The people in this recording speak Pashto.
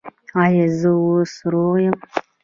ایا زه اوس روغ یم؟